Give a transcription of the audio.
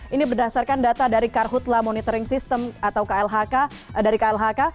ini berdasarkan data dari karhutla monitoring system atau klhk